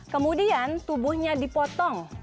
kemudian tubuhnya dipotong